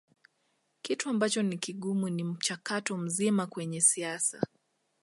Kitu ambacho ni kigumu ni mchakato mzima kwenye siasa